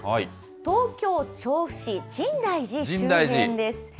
東京・調布市、深大寺周辺です。